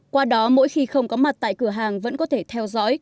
qua đó mỗi khi không có mặt tại cửa hàng vẫn có thể theo dõi